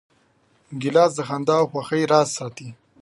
ګیلاس د خندا او خوښۍ راز ساتي.